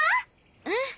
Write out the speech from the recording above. うん。